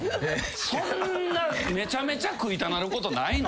そんなめちゃめちゃ食いたなることないので。